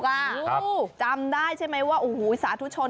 จำได้ใช่ไหมว่าโอ้โหสาธุชน